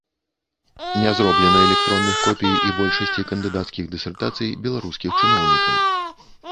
Не зроблена электронных копій і большасці кандыдацкіх дысертацый беларускіх чыноўнікаў.